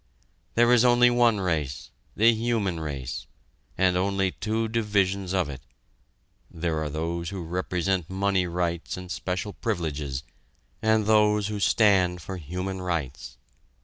There is only one race the human race and only two divisions of it; there are those who represent money rights and special privileges, and those who stand for human rights.